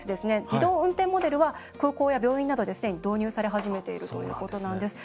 自動運転モデルは空港や病院などで既に導入され始めているということなんです。